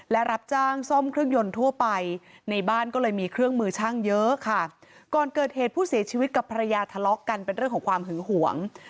และรับจ้างซ่อมเครื่องยนต์ทั่วไปในบ้านก็เลยมีเครื่องมือช่างเยอะค่ะก่อนเกิดเหตุผู้เสียชีวิตกับภรรยาทะเลาะกันเป็นเรื่องของความหึงหวง